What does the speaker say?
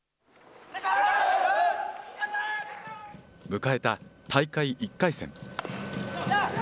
迎えた大会１回戦。